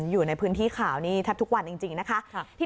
อยู่ในพื้นที่ข่าวนี้แทบทุกวันจริงนะคะ